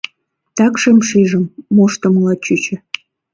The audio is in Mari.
Такшым шижым: моштымыла чучо...